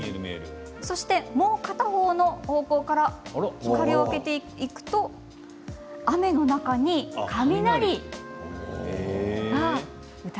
そしてもう片方の方向から光を当てていきますと雨の中に雷。